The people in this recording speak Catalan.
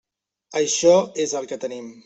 Això és el que tenim.